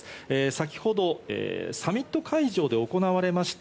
先ほどサミット会場で行われました。